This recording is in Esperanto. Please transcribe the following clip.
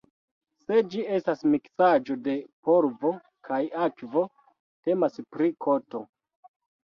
Se ĝi estas miksaĵo de polvo kaj akvo, temas pri koto.